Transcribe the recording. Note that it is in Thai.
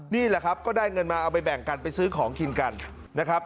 นี่แหละครับก็ได้เงินมาเอาไปแบ่งกันไปซื้อของกินกันนะครับ